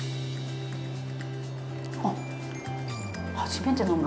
あっ、初めて飲む！